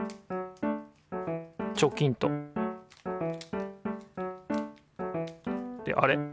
チョキンとってあれ？